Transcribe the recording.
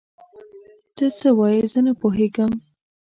ته څه وايې؟ زه نه پوهيږم.